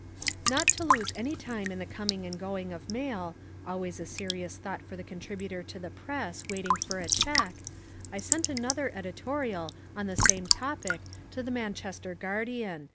Not to lose any time in the coming and going of the mail, always a serious thought for the contributor to the Press waiting for a cheque, I sent another editorial on the same topic to the Manchester Guardian.